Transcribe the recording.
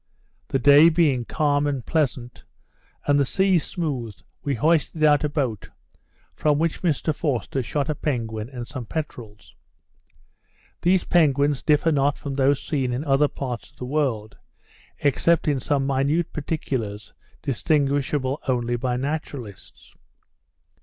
The day being calm and pleasant, and the sea smooth, we hoisted out a boat, from which Mr Forster shot a penguin and some peterels. These penguins differ not from those seen in other parts of the world, except in some minute particulars distinguishable only by naturalists.